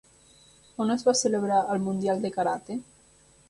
On es va celebrar el Mundial de Karate?